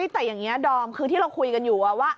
แต่อย่างนี้ดอมคือที่เราคุยกันอยู่ว่า